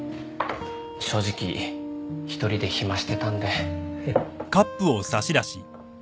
正直１人で暇してたんで。